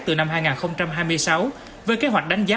từ năm hai nghìn hai mươi sáu với kế hoạch đánh giá